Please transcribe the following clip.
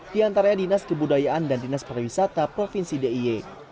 di antara dinas kebudayaan dan dinas pariwisata provinsi d i e